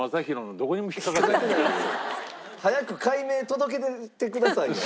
早く改名届け出てくださいよ。